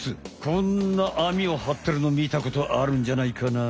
こんな網をはってるのみたことあるんじゃないかな？